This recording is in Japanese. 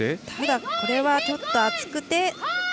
ただこれはちょっと厚くて。